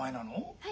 はい。